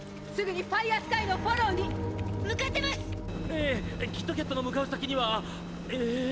えーキッドキャットの向かう先にはえー。